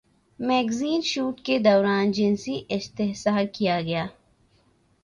magazine shoot کے دوران جنسی استحصال کیا گیا